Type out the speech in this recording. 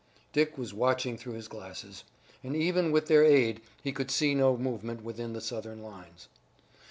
Dick was watching through his glasses, and even with their aid he could see no movement within the Southern lines.